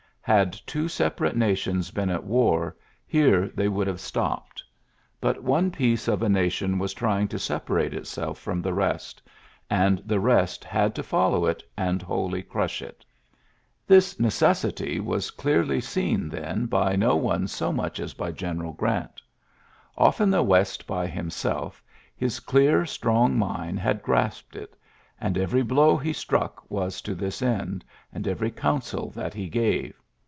Had two separate nations [been at war, here they would have stopped. But one piece of a na tion was trying to separate itself from the rest ; and the rest had to follow it^ TJLTSSES S. GEANT 79 md wholly crusli it. This necessity was dearly seen then by no one so much as )y General Grant. Off in the West )y himself, his clear, strong mind had grasped it; and every blow he struck VBS to this end, and every counsel that le gave.